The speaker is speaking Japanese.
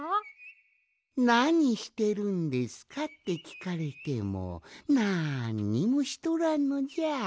「なにしてるんですか？」ってきかれてもなんにもしとらんのじゃ。